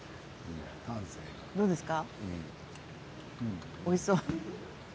どうですか？